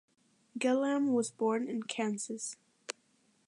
Gillam was born in Kansas.